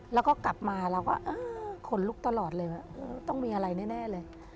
แล้วก็กลับมาเราก็ขนลุกตลอดเลยว่าต้องมีอะไรแน่เลย